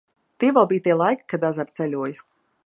Tie vēl bija tie laiki, kad ezeri ceļoja.